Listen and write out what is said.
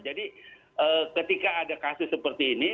jadi ketika ada kasus seperti ini